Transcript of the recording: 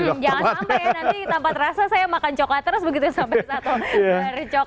jangan sampai ya nanti tanpa terasa saya makan chocka terus begitu sampai satu bar coklat ini habis